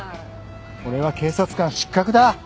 俺は警察官失格だ。